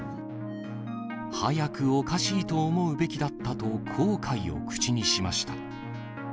早くおかしいと思うべきだったと後悔を口にしました。